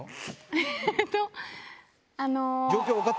えっと。